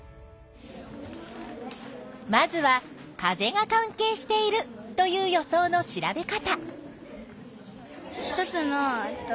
まずは風が関係しているという予想の調べ方。